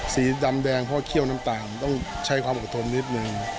สีดำแดงเพราะเคี่ยวน้ำตาลต้องใช้ความอดทนนิดนึง